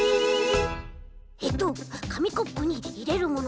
えっとかみコップにいれるもの。